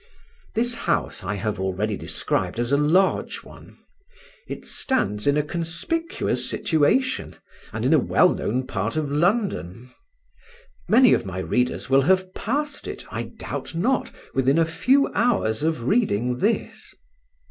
This house I have already described as a large one; it stands in a conspicuous situation and in a well known part of London. Many of my readers will have passed it, I doubt not, within a few hours of reading this.